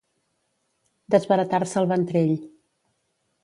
Desbaratar-se el ventrell.